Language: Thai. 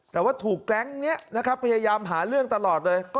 แต่ว่าถูกแก๊งนี้นะครับพยายามหาเรื่องตลอดเลย